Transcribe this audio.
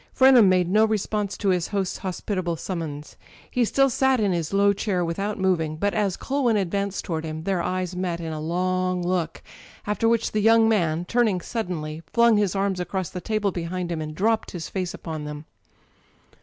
Frenham made no response to his host's hospitable summons. He still sat in his low chair without moving, but as Culwin advanced toward him, t heir_eyes me t in aJpsgJtosJ^; after which the young man, turning suddenly, flung his arms across the table behind him, and dropped his face upon them.